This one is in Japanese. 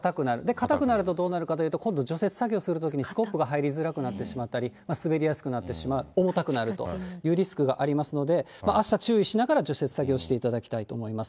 硬くなるとどうなるかというと、スコップが全部入ってしまったり、滑りやすくなってしまう、重たくなるというリスクがありますので、あした注意しながら除雪作業していただきたいと思います。